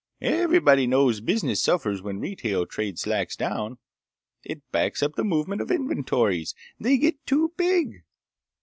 Everybody knows business suffers when retail trade slacks down. It backs up the movement of inventories. They get too big.